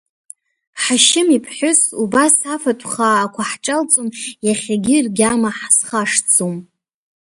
Ҳашьым иԥҳәыс убас афатә хаақәа ҳҿалҵон иахьагьы ргьама схашҭӡом.